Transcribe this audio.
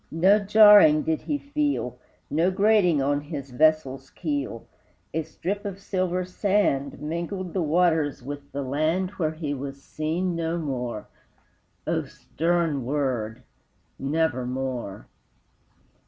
No jarring did he feel, No grating on his vessel's keel, A strip of silver sand Mingled the waters with the land Where he was seen no more: O stern word Nevermore!